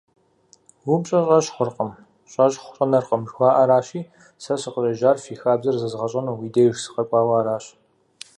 УпщӀэ щӀэщхъуркъым, щӀэщхъу щӀэнэркъым жыхуаӀэращи, сэ сыкъыщӀежьар фи хабзэр зэзгъэщӀэну уи деж сыкъэкӀуауэ аращ.